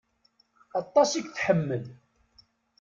Aṭas i k-tḥemmel.